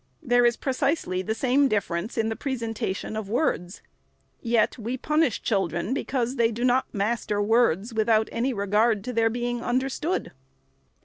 There is precisely the same difference in the presentation of words. Yet we punish children because they do not master words without any regard to their being understood.